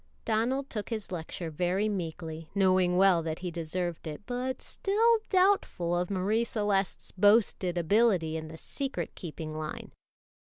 Donald took his lecture very meekly, knowing well that he deserved it, but still doubtful of Marie Celeste's boasted ability in the secret keeping line.